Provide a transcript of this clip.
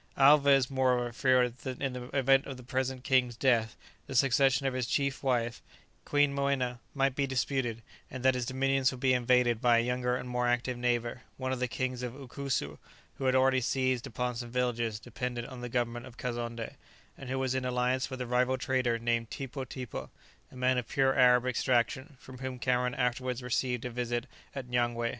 Alvez, moreover, feared that in the event of the present king's death, the succession of his chief wife, Queen Moena, might be disputed, and that his dominions would be invaded by a younger and more active neighbour, one of the kings of Ukusu, who had already seized upon some villages dependent on the government of Kazonndé, and who was in alliance with a rival trader named Tipo Tipo, a man of pure Arab extraction, from whom Cameron afterwards received a visit at Nyangwé.